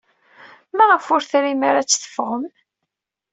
Maɣef ur trim ara ad teffɣem?